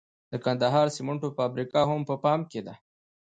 د کندهار د سمنټو فابریکه هم په پام کې ده.